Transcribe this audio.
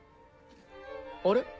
あれ？